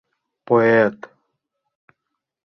Поэт!